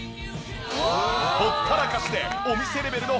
ほったらかしでお店レベルの本格料理も！